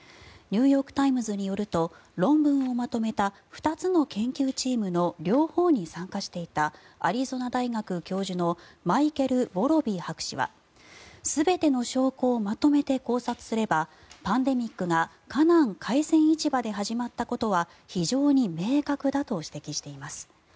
ニューヨーク・タイムズによると論文をまとめた２つの研究チームの両方に参加していたアリゾナ大学教授のマイケル・ウォロビー博士は全ての証拠をまとめて考察すればパンデミックが華南海鮮市場で始まったことは非常に明確だと指摘しています。